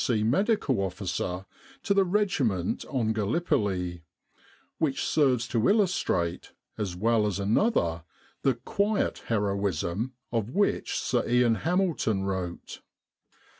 C. Medical Officer to a regiment on Gallipoli, which serves to illustrate as well as another the "quiet" heroism of which Sir Ian Hamilton wrote.